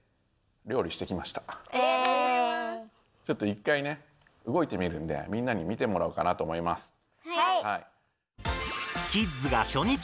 ちょっと１回ね動いてみるのでみんなに見てもらおうかなと思います。